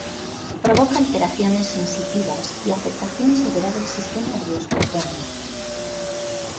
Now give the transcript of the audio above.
Provoca alteraciones sensitivas y afectación severa del sistema nervioso autónomo.